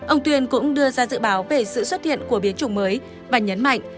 ông tuyên cũng đưa ra dự báo về sự xuất hiện của biến chủng mới và nhấn mạnh